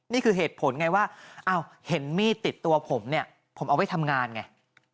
นี่คือเหตุผลไงว่าอ้าวเห็นมีดติดตัวผมเนี่ยผมเอาไว้ทำงานไง